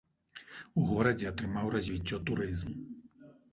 У горадзе атрымаў развіццё турызм.